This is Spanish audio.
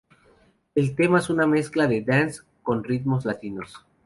El tema es una mezcla de dance con ritmos latinos.